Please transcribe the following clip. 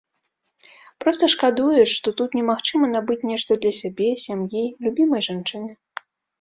Проста шкадуеш, што тут немагчыма набыць нешта для сябе, сям'і, любімай жанчыны.